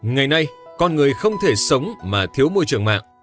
ngày nay con người không thể sống mà thiếu môi trường mạng